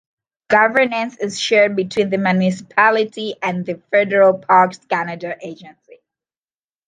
Governance is shared between the municipality and the federal Parks Canada agency.